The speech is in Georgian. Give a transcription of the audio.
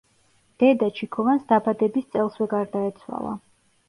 დედა ჩიქოვანს დაბადების წელსვე გარდაეცვალა.